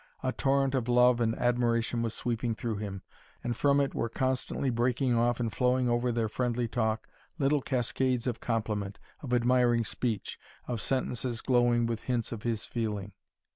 A torrent of love and admiration was sweeping through him, and from it were constantly breaking off and flowing over their friendly talk little cascades of compliment, of admiring speech, of sentences glowing with hints of his feeling.